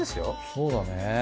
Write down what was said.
そうだね。